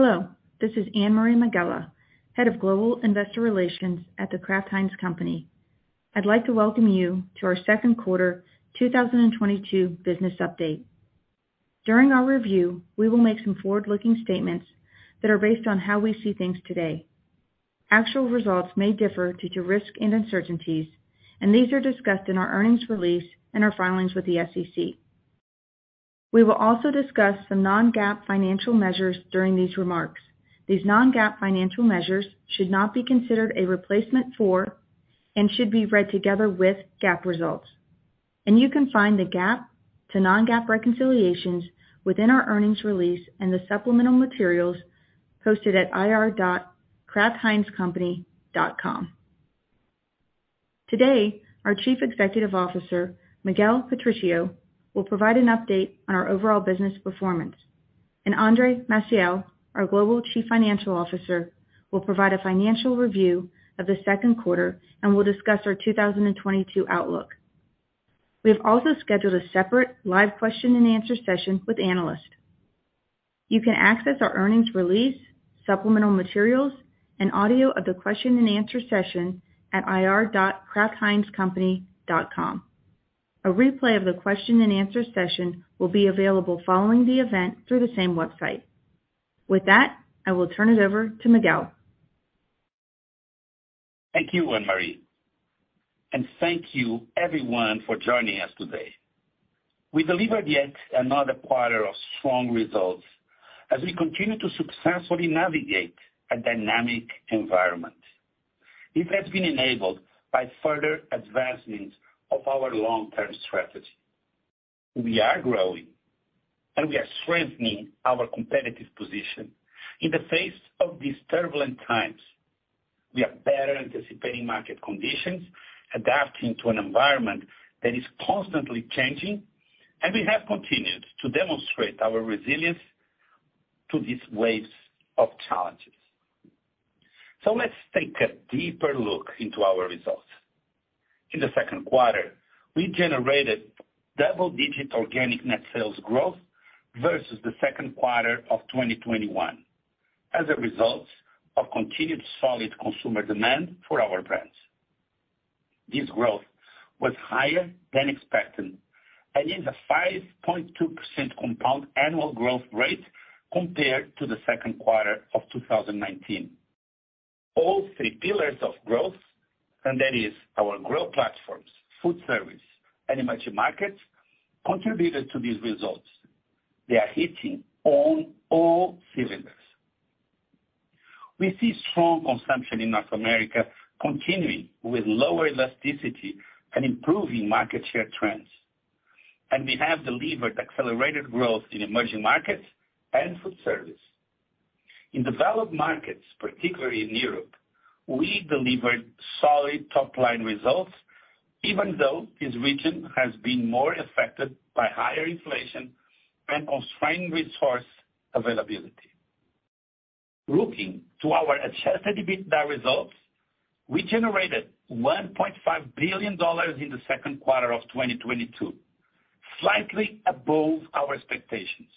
Hello, this is Anne-Marie Megela, Head of Global Investor Relations at The Kraft Heinz Company. I'd like to welcome you to our second quarter 2022 business update. During our review, we will make some forward-looking statements that are based on how we see things today. Actual results may differ due to risks and uncertainties, and these are discussed in our earnings release and our filings with the SEC. We will also discuss some non-GAAP financial measures during these remarks. These non-GAAP financial measures should not be considered a replacement for and should be read together with GAAP results. You can find the GAAP to non-GAAP reconciliations within our earnings release and the supplemental materials posted at ir.kraftheinzcompany.com. Today, our Chief Executive Officer, Miguel Patricio, will provide an update on our overall business performance. Andre Maciel, our Global Chief Financial Officer, will provide a financial review of the second quarter and will discuss our 2022 outlook. We have also scheduled a separate live question-and-answer session with analysts. You can access our earnings release, supplemental materials, and audio of the question-and-answer session at ir.kraftheinzcompany.com. A replay of the question-and-answer session will be available following the event through the same website. With that, I will turn it over to Miguel. Thank you, Anne-Marie, and Thank you, everyone for joining us today. We delivered yet another quarter of strong results as we continue to successfully navigate a dynamic environment. It has been enabled by further advancements of our long-term strategy. We are growing, and we are strengthening our competitive position. In the face of these turbulent times, we are better anticipating market conditions, adapting to an environment that is constantly changing, and we have continued to demonstrate our resilience to these waves of challenges. Let's take a deeper look into our results. In the second quarter, we generated double-digit organic net sales growth versus the second quarter of 2021 as a result of continued solid consumer demand for our brands. This growth was higher than expected and is a 5.2% compound annual growth rate compared to the second quarter of 2019. All three pillars of growth, and that is our growth platforms, food service, and emerging markets, contributed to these results. They are hitting on all cylinders. We see strong consumption in North America continuing with lower elasticity and improving market share trends. We have delivered accelerated growth in emerging markets and food service. In developed markets, particularly in Europe, we delivered solid top-line results, even though this region has been more affected by higher inflation and constrained resource availability. Looking to our adjusted EBITDA results, we generated $1.5 billion in the second quarter of 2022, slightly above our expectations.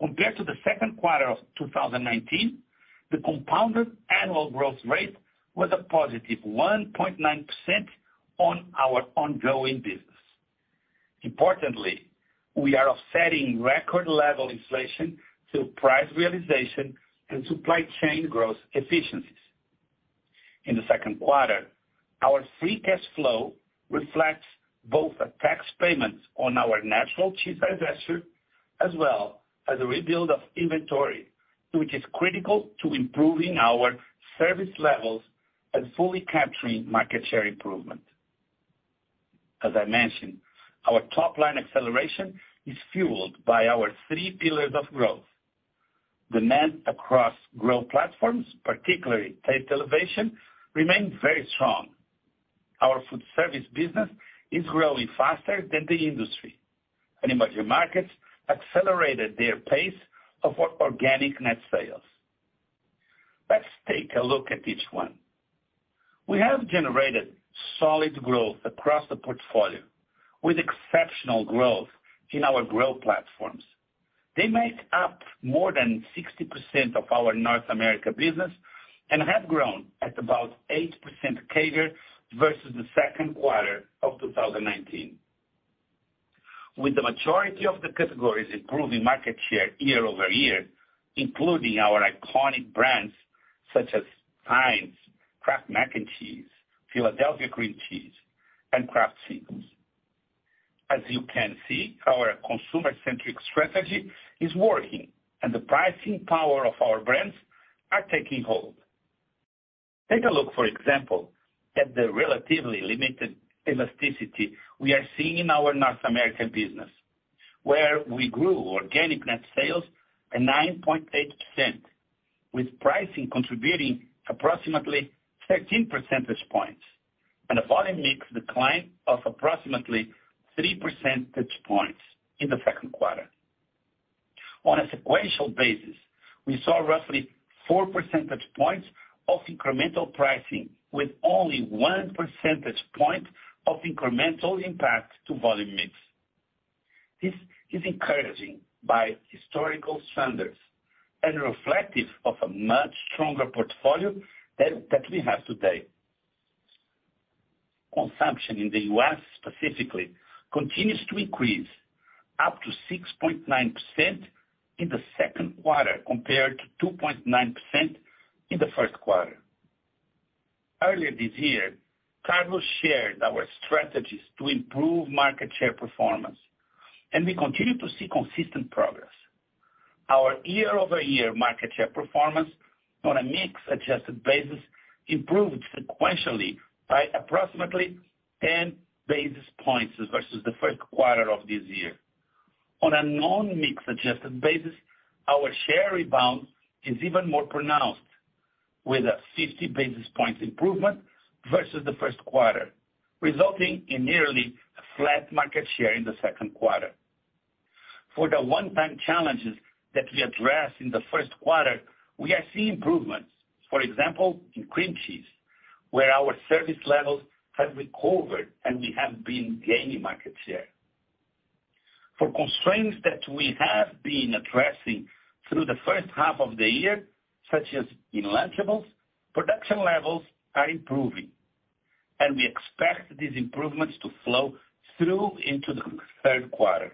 Compared to the second quarter of 2019, the compounded annual growth rate was a positive 1.9% on our ongoing business. Importantly, we are offsetting record-level inflation through price realization and supply chain growth efficiencies. In the second quarter, our free cash flow reflects both a tax payment on our natural cheese divestiture, as well as a rebuild of inventory, which is critical to improving our service levels and fully capturing market share improvement. As I mentioned, our top-line acceleration is fueled by our three pillars of growth. Demand across growth platforms, particularly taste elevation, remains very strong. Our food service business is growing faster than the industry. Emerging markets accelerated their pace of our organic net sales. Let's take a look at each one. We have generated solid growth across the portfolio with exceptional growth in our growth platforms. They make up more than 60% of our North America business and have grown at about 8% CAGR versus the second quarter of 2019. With the majority of the categories improving market share year-over-year, including our iconic brands such as Heinz, Kraft Mac & Cheese, Philadelphia Cream Cheese, and Kraft Singles. As you can see, our consumer-centric strategy is working, and the pricing power of our brands are taking hold. Take a look, for example, at the relatively limited elasticity we are seeing in our North American business, where we grew organic net sales at 9.8%, with pricing contributing approximately 13 percentage points and a volume mix decline of approximately 3 percentage points in the second quarter. On a sequential basis, we saw roughly 4 percentage points of incremental pricing with only 1 percentage point of incremental impact to volume mix. This is encouraging by historical standards and reflective of a much stronger portfolio that we have today. Consumption in the U.S. specifically continues to increase up to 6.9% in the second quarter compared to 2.9% in the first quarter. Earlier this year, Carlos shared our strategies to improve market share performance, and we continue to see consistent progress. Our year-over-year market share performance on a mix adjusted basis improved sequentially by approximately 10 basis points versus the first quarter of this year. On a non-mix adjusted basis, our share rebound is even more pronounced with a 50 basis points improvement versus the first quarter, resulting in nearly a flat market share in the second quarter. For the one-time challenges that we addressed in the first quarter, we are seeing improvements. For example, in cream cheese, where our service levels have recovered and we have been gaining market share. For constraints that we have been addressing through the first half of the year, such as in Lunchables, production levels are improving, and we expect these improvements to flow through into the third quarter.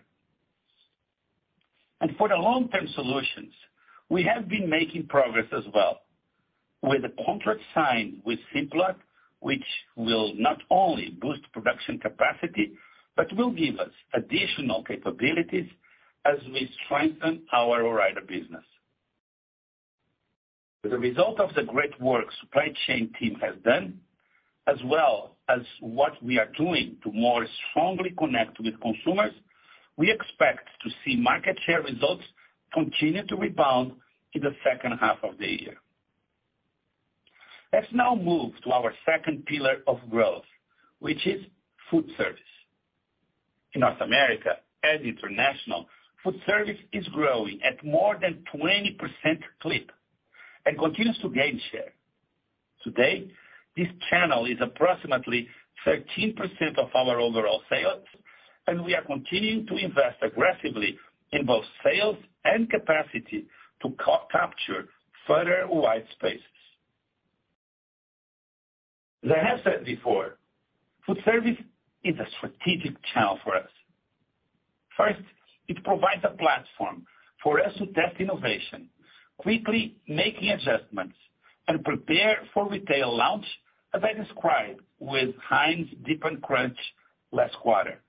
For the long-term solutions, we have been making progress as well with a contract signed with Simplot, which will not only boost production capacity, but will give us additional capabilities as we strengthen our Ore-Ida business. As a result of the great work supply the chain team has done, as well as what we are doing to more strongly connect with consumers, we expect to see market share results continue to rebound in the second half of the year. Let's now move to our second pillar of growth, which is food service. In North America and international, food service is growing at more than 20% clip and continues to gain share. Today, this channel is approximately 13% of our overall sales, and we are continuing to invest aggressively in both sales and capacity to capture further white spaces. As I have said before, food service is a strategic channel for us. First, it provides a platform for us to test innovation, quickly making adjustments and prepare for retail launch, as I described with Heinz Dip & Crunch last quarter.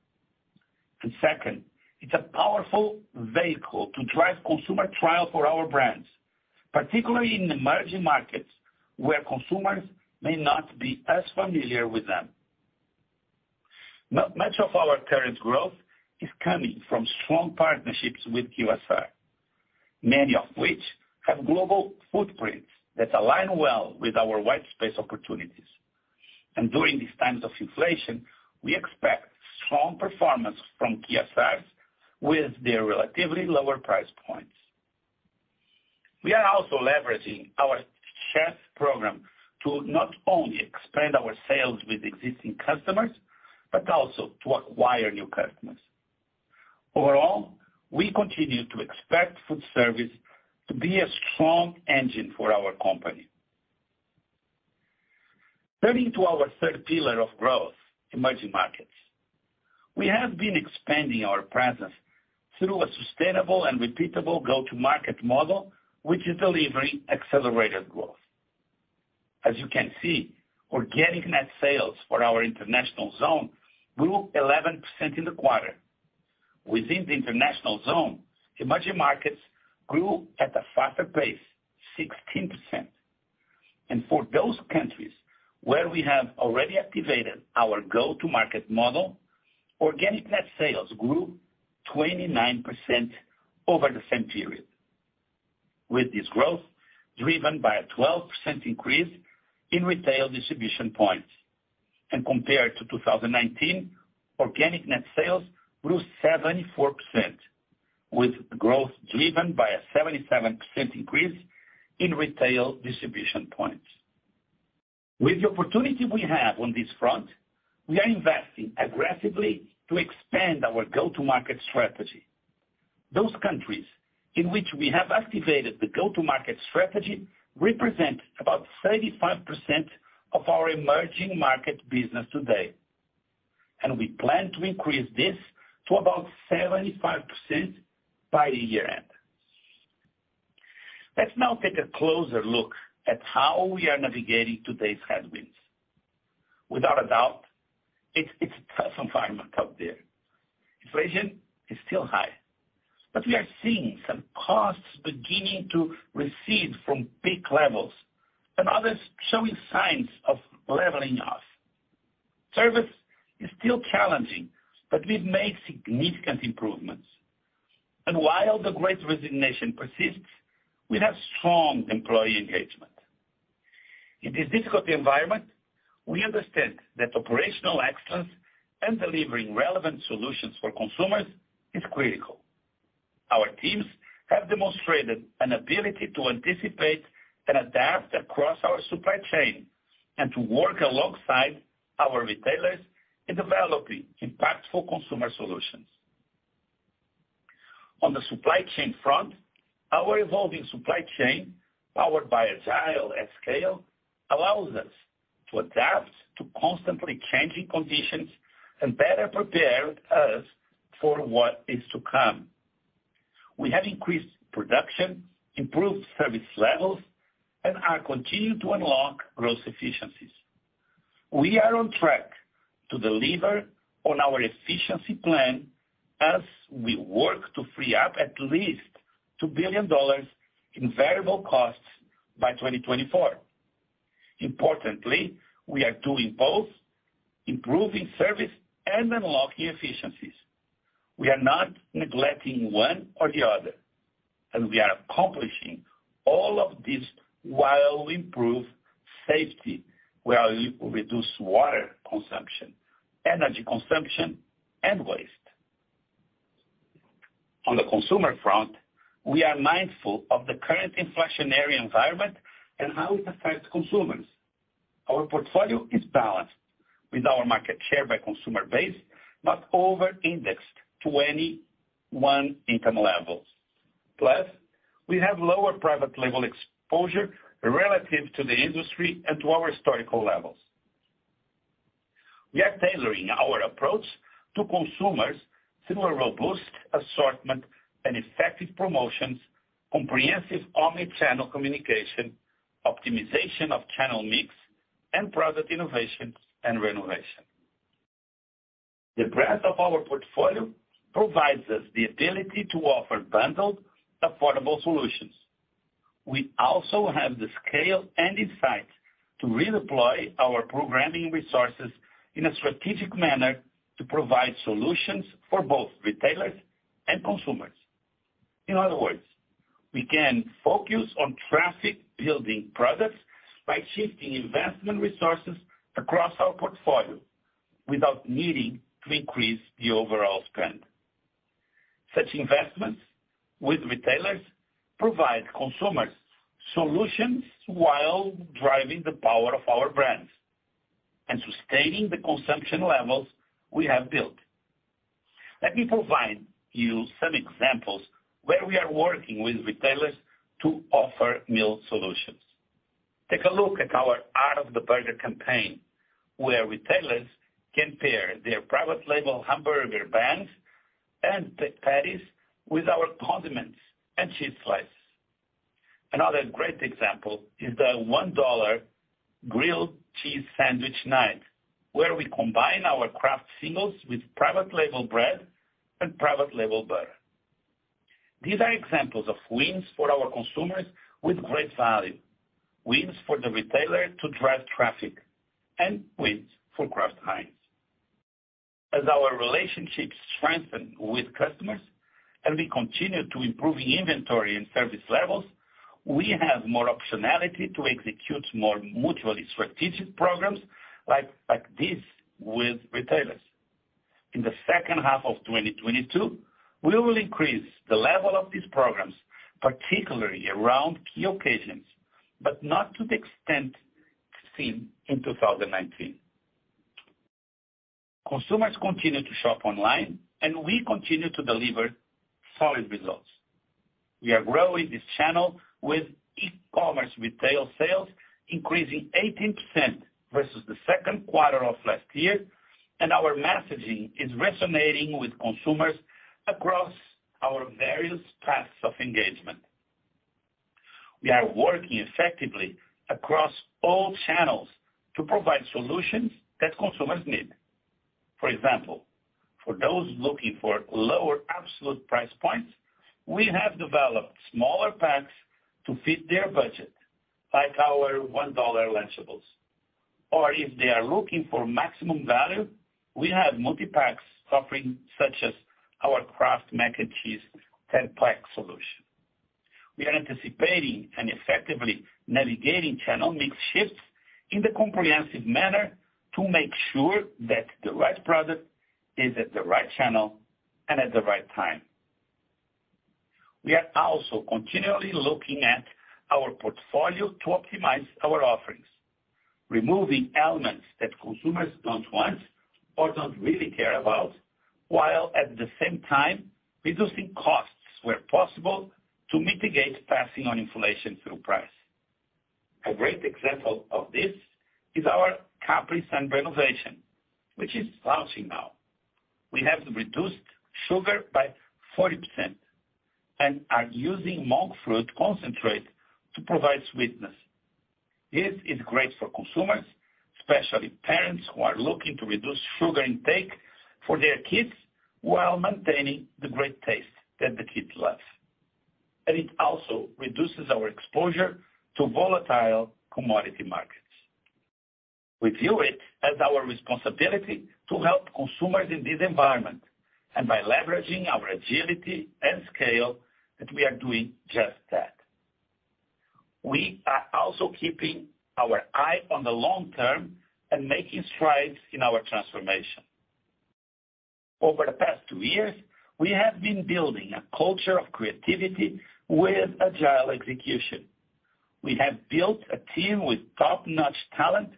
Second, it's a powerful vehicle to drive consumer trial for our brands, particularly in emerging markets where consumers may not be as familiar with them. Much of our current growth is coming from strong partnerships with QSR, many of which have global footprints that align well with our white space opportunities. During these times of inflation, we expect strong performance from QSRs with their relatively lower price points. We are also leveraging our chefs program to not only expand our sales with existing customers, but also to acquire new customers. Overall, we continue to expect food service to be a strong engine for our company. Turning to our third pillar of growth, emerging markets. We have been expanding our presence through a sustainable and repeatable go-to-market model, which is delivering accelerated growth. As you can see, organic net sales for our international zone grew 11% in the quarter. Within the international zone, emerging markets grew at a faster pace, 16%. For those countries where we have already activated our go-to-market model, organic net sales grew 29% over the same period. With this growth driven by a 12% increase in retail distribution points and compared to 2019, organic net sales grew 74%, with growth driven by a 77% increase in retail distribution points. With the opportunity we have on this front, we are investing aggressively to expand our go-to-market strategy. Those countries in which we have activated the go-to-market strategy represent about 35% of our emerging market business today, and we plan to increase this to about 75% by the year-end. Let's now take a closer look at how we are navigating today's headwinds. Without a doubt, it's a tough environment out there. Inflation is still high, but we are seeing some costs beginning to recede from peak levels and others showing signs of leveling off. Service is still challenging, but we've made significant improvements. While the Great Resignation persists, we have strong employee engagement. In this difficult environment, we understand that operational excellence and delivering relevant solutions for consumers is critical. Our teams have demonstrated an ability to anticipate and adapt across our supply chain and to work alongside our retailers in developing impactful consumer solutions. On the supply chain front, our evolving supply chain, powered by Agile at Scale, allows us to adapt to constantly changing conditions and better prepare us for what is to come. We have increased production, improved service levels, and are continuing to unlock growth efficiencies. We are on track to deliver on our efficiency plan as we work to free up at least $2 billion in variable costs by 2024. Importantly, we are doing both improving service and unlocking efficiencies. We are not neglecting one or the other, and we are accomplishing all of this while we improve safety, while we reduce water consumption, energy consumption, and waste. On the consumer front, we are mindful of the current inflationary environment and how it affects consumers. Our portfolio is balanced with our market share by consumer base, but over-indexed to income levels. Plus, we have lower private label exposure relative to the industry and to our historical levels. We are tailoring our approach to consumers through a robust assortment and effective promotions, comprehensive omni-channel communication, optimization of channel mix, and product innovation and renovation. The breadth of our portfolio provides us the ability to offer bundled, affordable solutions. We also have the scale and insights to redeploy our programming resources in a strategic manner to provide solutions for both retailers and consumers. In other words, we can focus on traffic-building products by shifting investment resources across our portfolio without needing to increase the overall spend. Such investments with retailers provide consumers solutions while driving the power of our brands and sustaining the consumption levels we have built. Let me provide you some examples where we are working with retailers to offer meal solutions. Take a look at our Art of the Burger campaign, where retailers can pair their private label hamburger buns and patties with our condiments and cheese slices. Another great example is the $1 grilled cheese sandwich night, where we combine our Kraft Singles with private label bread and private label butter. These are examples of wins for our consumers with great value, wins for the retailer to drive traffic, and wins for Kraft Heinz. As our relationships strengthen with customers and we continue to improve the inventory and service levels, we have more optionality to execute more mutually strategic programs like this with retailers. In the second half of 2022, we will increase the level of these programs, particularly around key occasions, but not to the extent seen in 2019. Consumers continue to shop online, and we continue to deliver solid results. We are growing this channel with e-commerce retail sales increasing 18% versus the second quarter of last year, and our messaging is resonating with consumers across our various paths of engagement. We are working effectively across all channels to provide solutions that consumers need. For example, for those looking for lower absolute price points, we have developed smaller packs to fit their budget, like our $1 Lunchables. If they are looking for maximum value, we have multi-packs offering such as our Kraft Mac & Cheese 10-pack solution. We are anticipating and effectively navigating channel mix shifts in the comprehensive manner to make sure that the right product is at the right channel and at the right time. We are also continually looking at our portfolio to optimize our offerings, removing elements that consumers don't want or don't really care about, while at the same time reducing costs where possible to mitigate passing on inflation through price. A great example of this is our Capri Sun renovation, which is launching now. We have reduced sugar by 40% and are using monk fruit concentrate to provide sweetness. This is great for consumers, especially parents who are looking to reduce sugar intake for their kids while maintaining the great taste that the kids love. It also reduces our exposure to volatile commodity markets. We view it as our responsibility to help consumers in this environment, and by leveraging our agility and scale that we are doing just that. We are also keeping our eye on the long term and making strides in our transformation. Over the past two years, we have been building a culture of creativity with agile execution. We have built a team with top-notch talent,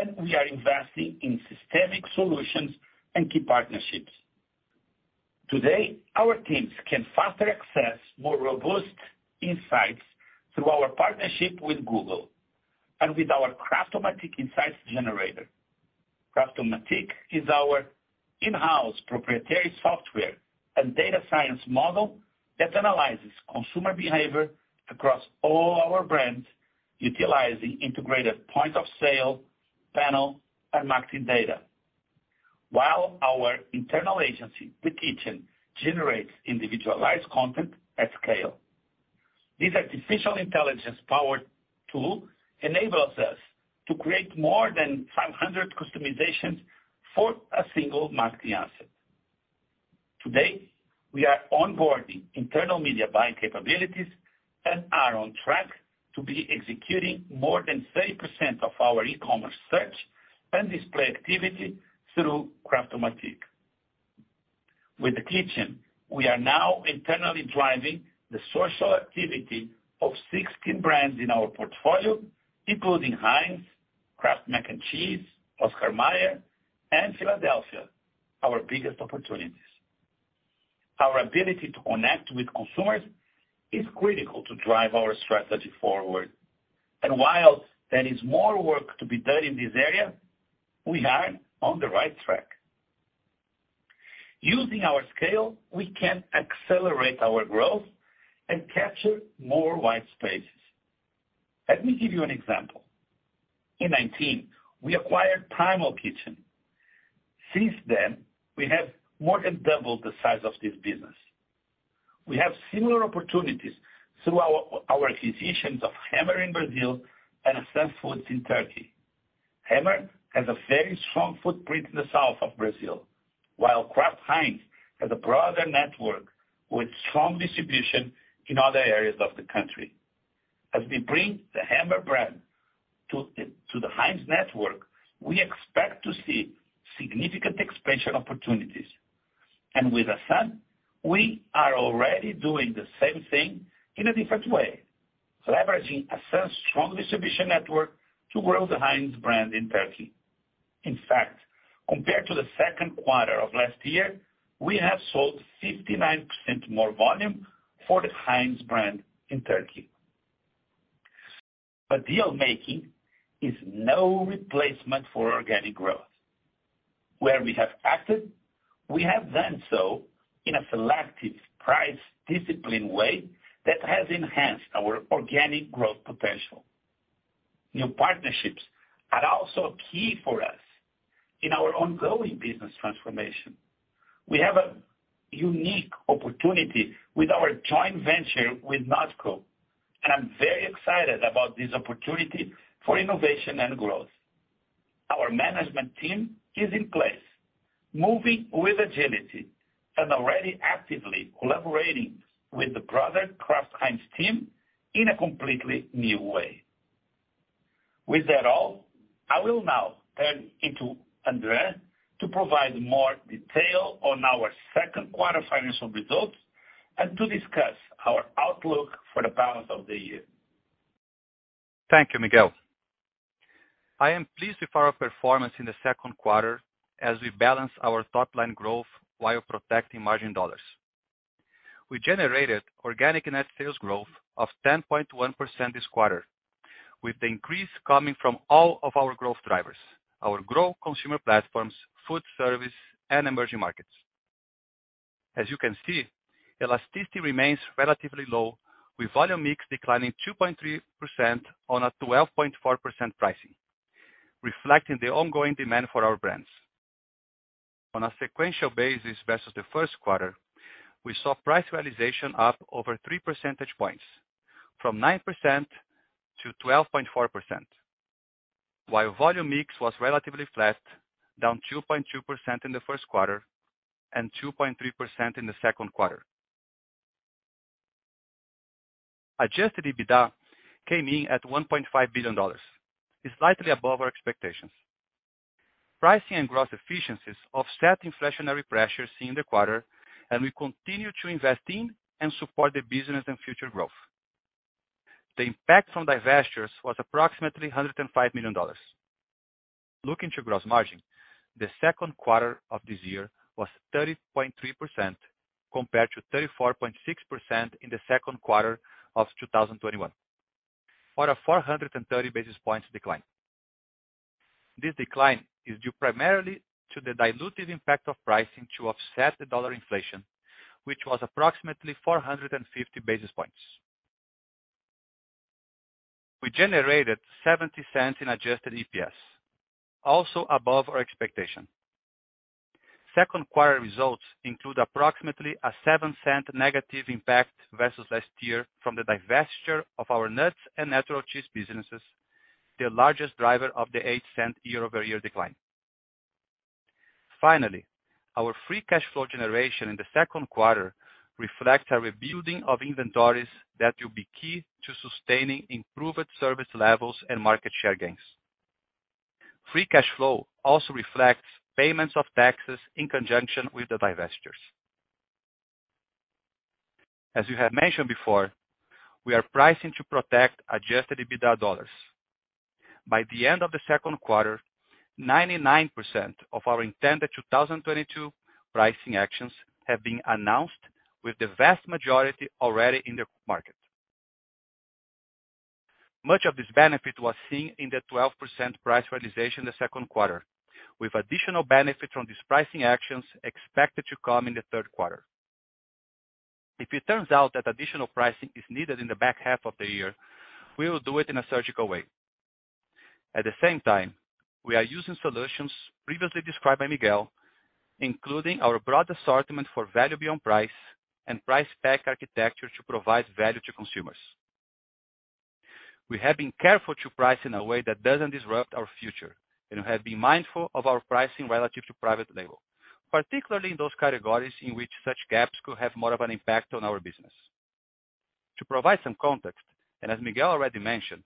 and we are investing in systemic solutions and key partnerships. Today, our teams can faster access more robust insights through our partnership with Google and with our Kraftomatic insights generator. Kraftomatic is our in-house proprietary software and data science model that analyzes consumer behavior across all our brands, utilizing integrated point of sale, panel, and marketing data. While our internal agency, The Kitchen, generates individualized content at scale. This artificial intelligence powered tool enables us to create more than 500 customizations for a single marketing asset. Today, we are onboarding internal media buying capabilities and are on track to be executing more than 30% of our e-commerce search and display activity through Kraftomatic. With The Kitchen, we are now internally driving the social activity of 16 brands in our portfolio, including Heinz, Kraft Mac & Cheese, Oscar Mayer, and Philadelphia, our biggest opportunities. Our ability to connect with consumers is critical to drive our strategy forward. While there is more work to be done in this area, we are on the right track. Using our scale, we can accelerate our growth and capture more white spaces. Let me give you an example. In 2019, we acquired Primal Kitchen. Since then, we have more than doubled the size of this business. We have similar opportunities through our acquisitions of Hemmer in Brazil and Assan Foods in Turkey. Hemmer has a very strong footprint in the south of Brazil, while Kraft Heinz has a broader network with strong distribution in other areas of the country. As we bring the Hemmer brand to the Heinz network, we expect to see significant expansion opportunities. With Assan, we are already doing the same thing in a different way, leveraging Assan's strong distribution network to grow the Heinz brand in Turkey. In fact, compared to the second quarter of last year, we have sold 59% more volume for the Heinz brand in Turkey. Deal making is no replacement for organic growth. Where we have acted, we have done so in a selective price discipline way that has enhanced our organic growth potential. New partnerships are also key for us in our ongoing business transformation. We have a unique opportunity with our joint venture with NotCo, and I'm very excited about this opportunity for innovation and growth. Our management team is in place, moving with agility and already actively collaborating with the broader Kraft Heinz team in a completely new way. With that all, I will now turn it to Andre to provide more detail on our second quarter financial results and to discuss our outlook for the balance of the year. Thank you, Miguel. I am pleased with our performance in the second quarter as we balance our top line growth while protecting margin dollars. We generated organic net sales growth of 10.1% this quarter, with the increase coming from all of our growth drivers, our growth consumer platforms, food service, and emerging markets. As you can see, elasticity remains relatively low with volume mix declining 2.3% on a 12.4% pricing, reflecting the ongoing demand for our brands. On a sequential basis versus the first quarter, we saw price realization up over three percentage points from 9% to 12.4%, while volume mix was relatively flat, down 2.2% in the first quarter and 2.3% in the second quarter. Adjusted EBITDA came in at $1.5 billion, slightly above our expectations. Pricing and growth efficiencies offset inflationary pressures seen in the quarter, and we continue to invest in and support the business and future growth. The impact from divestitures was approximately $105 million. Looking to gross margin, the second quarter of this year was 30.3% compared to 34.6% in the second quarter of 2021 for a 430 basis points decline. This decline is due primarily to the dilutive impact of pricing to offset the dollar inflation, which was approximately 450 basis points. We generated $0.70 in adjusted EPS, also above our expectation. Second quarter results include approximately a $0.07 negative impact versus last year from the divestiture of our nuts and natural cheese businesses, the largest driver of the $0.08 year-over-year decline. Finally, our free cash flow generation in the second quarter reflects a rebuilding of inventories that will be key to sustaining improved service levels and market share gains. Free cash flow also reflects payments of taxes in conjunction with the divestitures. As you have mentioned before, we are pricing to protect adjusted EBITDA dollars. By the end of the second quarter, 99% of our intended 2022 pricing actions have been announced, with the vast majority already in the market. Much of this benefit was seen in the 12% price realization in the second quarter, with additional benefit from these pricing actions expected to come in the third quarter. If it turns out that additional pricing is needed in the back half of the year, we will do it in a surgical way. At the same time, we are using solutions previously described by Miguel, including our broad assortment for value beyond price and price pack architecture to provide value to consumers. We have been careful to price in a way that doesn't disrupt our future, and we have been mindful of our pricing relative to private label, particularly in those categories in which such gaps could have more of an impact on our business. To provide some context, and as Miguel already mentioned,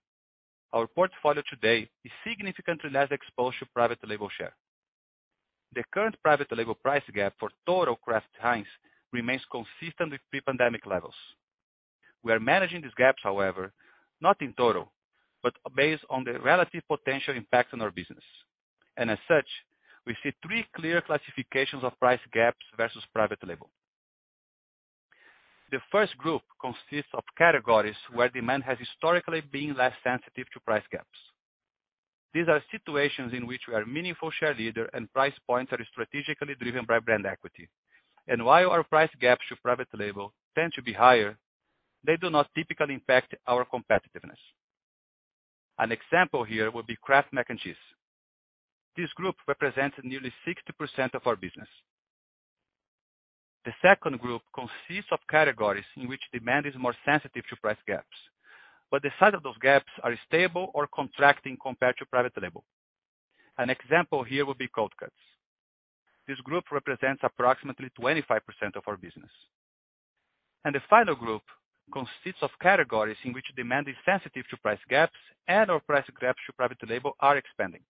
our portfolio today is significantly less exposed to private label share. The current private label price gap for total Kraft Heinz remains consistent with pre-pandemic levels. We are managing these gaps, however, not in total, but based on the relative potential impact on our business. As such, we see three clear classifications of price gaps versus private label. The first group consists of categories where demand has historically been less sensitive to price gaps. These are situations in which we are meaningful share leader and price points are strategically driven by brand equity. While our price gaps to private label tend to be higher, they do not typically impact our competitiveness. An example here would be Kraft Mac & Cheese. This group represents nearly 60% of our business. The second group consists of categories in which demand is more sensitive to price gaps, but the size of those gaps are stable or contracting compared to private label. An example here would be cold cuts. This group represents approximately 25% of our business. The final group consists of categories in which demand is sensitive to price gaps and/or price gaps to private label are expanding.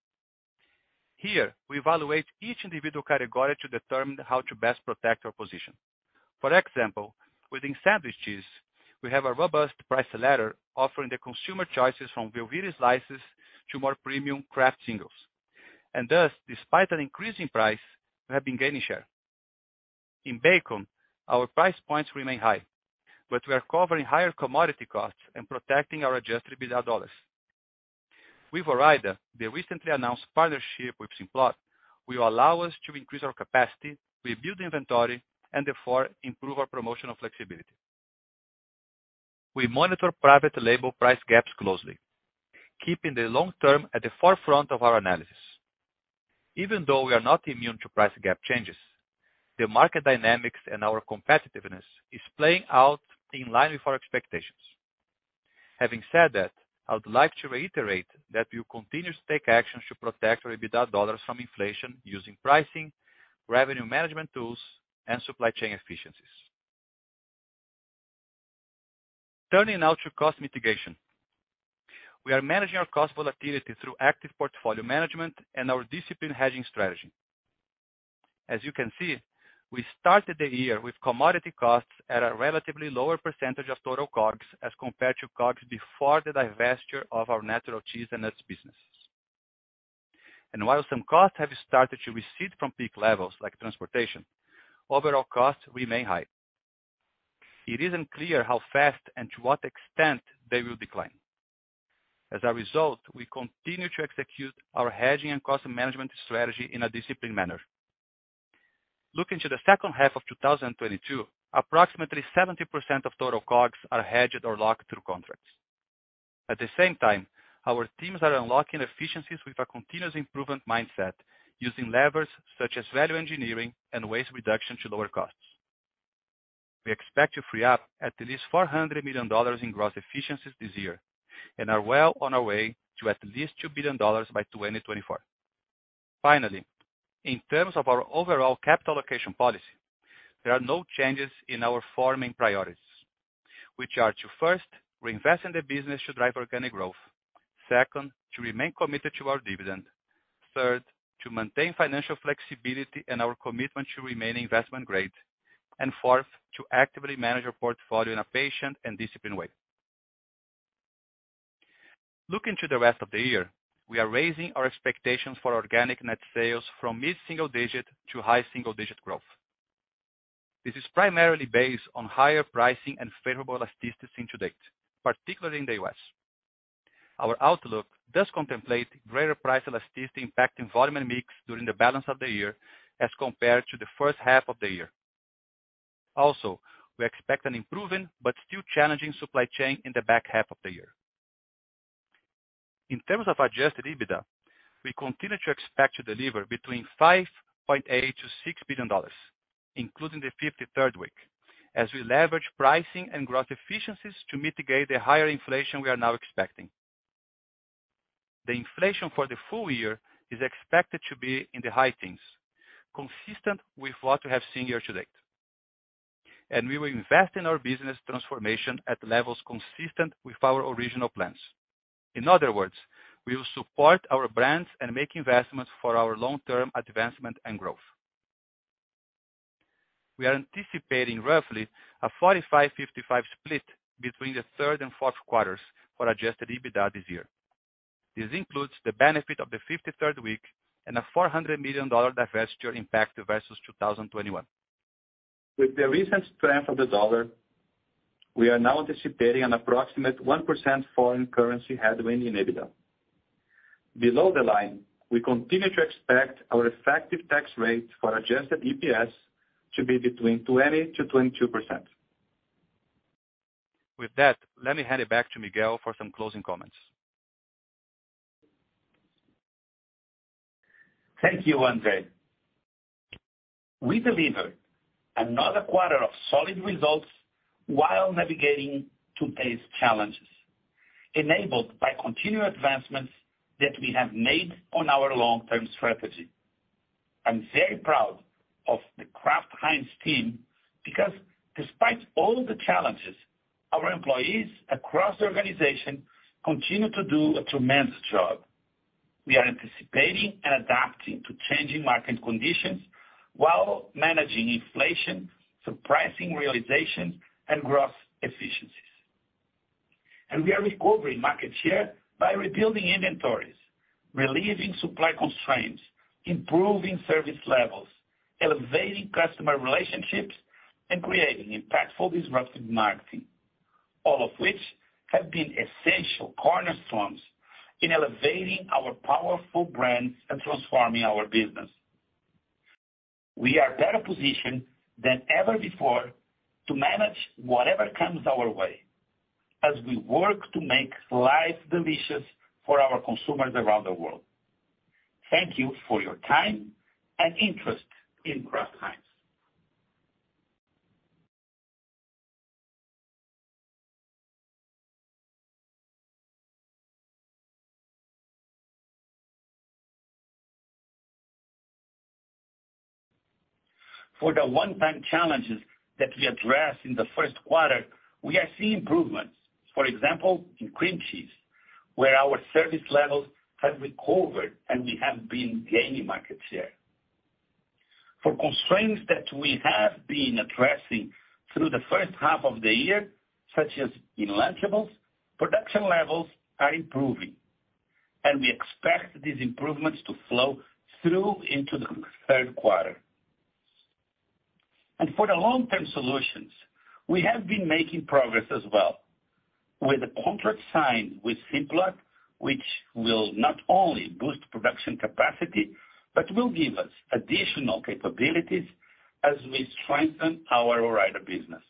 Here, we evaluate each individual category to determine how to best protect our position. For example, within sandwiches, we have a robust price ladder offering the consumer choices from Velveeta slices to more premium Kraft Singles. Thus, despite an increase in price, we have been gaining share. In bacon, our price points remain high, but we are covering higher commodity costs and protecting our adjusted EBITDA dollars. With Ore-Ida, the recently announced partnership with Simplot will allow us to increase our capacity, rebuild inventory, and therefore improve our promotional flexibility. We monitor private label price gaps closely, keeping the long term at the forefront of our analysis. Even though we are not immune to price gap changes, the market dynamics and our competitiveness is playing out in line with our expectations. Having said that, I would like to reiterate that we will continue to take actions to protect our EBITDA dollars from inflation using pricing, revenue management tools, and supply chain efficiencies. Turning now to cost mitigation. We are managing our cost volatility through active portfolio management and our disciplined hedging strategy. As you can see, we started the year with commodity costs at a relatively lower percentage of total COGS as compared to COGS before the divestiture of our natural cheese and nuts businesses. While some costs have started to recede from peak levels, like transportation, overall costs remain high. It isn't clear how fast and to what extent they will decline. As a result, we continue to execute our hedging and cost management strategy in a disciplined manner. Looking to the second half of 2022, approximately 70% of total COGS are hedged or locked through contracts. At the same time, our teams are unlocking efficiencies with a continuous improvement mindset using levers such as value engineering and waste reduction to lower costs. We expect to free up at least $400 million in gross efficiencies this year and are well on our way to at least $2 billion by 2024. Finally, in terms of our overall capital allocation policy, there are no changes in our four main priorities, which are to first, reinvest in the business to drive organic growth. Second, to remain committed to our dividend. Third, to maintain financial flexibility and our commitment to remain investment grade. And fourth, to actively manage our portfolio in a patient and disciplined way. Looking to the rest of the year, we are raising our expectations for organic net sales from mid-single-digit to high single-digit growth. This is primarily based on higher pricing and favorable elasticity to date, particularly in the U.S. Our outlook does contemplate greater price elasticity impacting volume and mix during the balance of the year as compared to the first half of the year. Also, we expect an improving but still challenging supply chain in the back half of the year. In terms of adjusted EBITDA, we continue to expect to deliver between $5.8-$6 billion, including the 53rd week, as we leverage pricing and growth efficiencies to mitigate the higher inflation we are now expecting. The inflation for the full year is expected to be in the high teens, consistent with what we have seen year-to-date. We will invest in our business transformation at levels consistent with our original plans. In other words, we will support our brands and make investments for our long-term advancement and growth. We are anticipating roughly a 45-55 split between the third and fourth quarters for adjusted EBITDA this year. This includes the benefit of the 53rd week and a $400 million divestiture impact versus 2021. With the recent strength of the dollar, we are now anticipating an approximate 1% foreign currency headwind in EBITDA. Below the line, we continue to expect our effective tax rate for adjusted EPS to be between 20%-22%. With that, let me hand it back to Miguel for some closing comments. Thank you, Andre. We delivered another quarter of solid results while navigating today's challenges, enabled by continued advancements that we have made on our long-term strategy. I'm very proud of the Kraft Heinz team because despite all the challenges, our employees across the organization continue to do a tremendous job. We are anticipating and adapting to changing market conditions while managing inflation, pricing realization, and growth efficiencies. We are recovering market share by rebuilding inventories, relieving supply constraints, improving service levels, elevating customer relationships, and creating impactful disruptive marketing, all of which have been essential cornerstones in elevating our powerful brands and transforming our business. We are better positioned than ever before to manage whatever comes our way as we work to make life delicious for our consumers around the world. Thank you for your time and interest in Kraft Heinz. For the one-time challenges that we addressed in the first quarter, we are seeing improvements. For example, in cream cheese, where our service levels have recovered and we have been gaining market share. For constraints that we have been addressing through the first half of the year, such as in Lunchables, production levels are improving, and we expect these improvements to flow through into the third quarter. For the long-term solutions, we have been making progress as well with the contract signed with Simplot, which will not only boost production capacity, but will give us additional capabilities as we strengthen our Ore-Ida business.